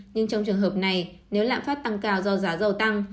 nhưng trong trường hợp này nếu lạm phát tăng cao do giá dầu tăng